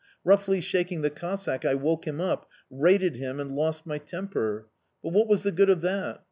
Roughly shaking the Cossack, I woke him up, rated him, and lost my temper. But what was the good of that?